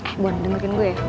eh bon dengarkan gue ya